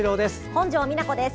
本庄美奈子です。